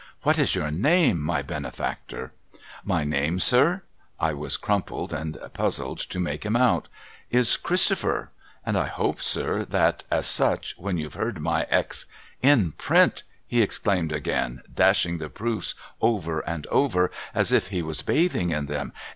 * What is your name, my Benefactor ?'' My name, sir ' (I w^as crumpled, and puzzled to make him out), ' is Christopher ; and I hope, sir, that, as such, when you've heard my ex '' In print !' he exclaims again, dashing the proofs over and over as if he was bathing in them.